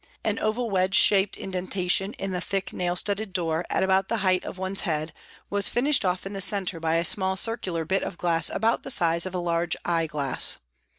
An oval wedge shaped indentation in the thick nail studded door, at about the height of one's head, was finished off in the centre by a small circular bit of glass about the size of a large eye glass.